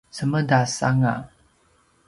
cemedas anga